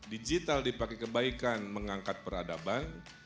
digital dipakai kebaikan mengangkat peradaban